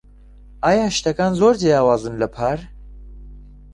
ئایا شتەکان زۆر جیاوازن لە پار؟